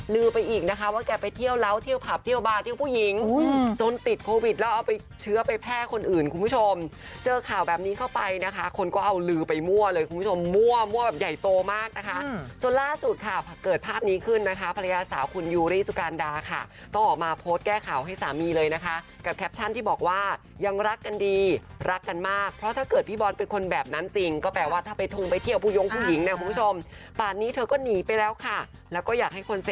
ลือไปอีกนะคะว่าแกไปเที่ยวราวที่เผลอเที่ยวบ้านเที่ยวผู้หญิงจนติดโควิดแล้วเอาไปเชื้อไปแพร่คนอื่นคุณผู้ชมเจอข่าวแบบนี้เข้าไปนะคะคนก็เอาลือไปมั่วเลยคุณผู้ชมมั่วมั่วแบบใหญ่โตมากนะคะจนล่าสุดค่ะเกิดภาพนี้ขึ้นนะคะภรรยาสาวคุณยูริสุการดาค่ะต้องออกมาโพสต์แก้ข่าวให้สามีเลยนะคะกับแคปชั่น